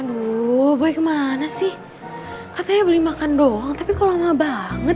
aduh boy kemana sih katanya beli makan doang tapi kok lama banget